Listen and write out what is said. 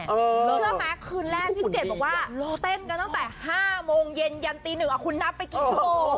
เชื่อมั้ยคืนแรกพี่เกรดบอกว่าเต้นกันตั้งแต่๕โมงเย็นเย็นตี๑เอาคุณนับไปกี่โมง